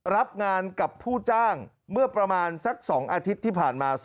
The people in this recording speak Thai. รับงานกับผู้จ้างเมื่อประมาณสัก๒อาทิตย์ที่ผ่านมา